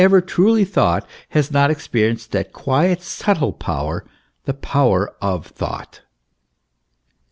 er truly thought has not experienced that quiet, subtle power the power of thought